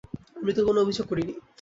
আমি তো কোনো অভিযোগ করিনি।